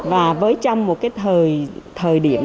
và với trong một thời điểm